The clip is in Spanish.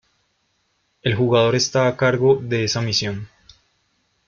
El jugador está a cargo de esa misión.